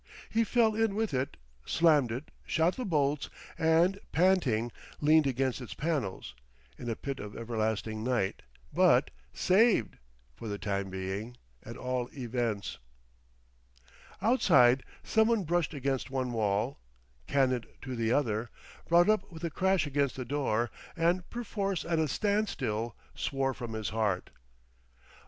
He fell in with it, slammed it, shot the bolts, and, panting, leaned against its panels, in a pit of everlasting night but saved! for the time being, at all events. Outside somebody brushed against one wall, cannoned to the other, brought up with a crash against the door, and, perforce at a standstill, swore from his heart.